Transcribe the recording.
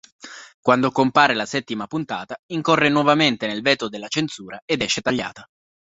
Quando compare la settima puntata, incorre nuovamente nel veto della censura ed esce tagliata.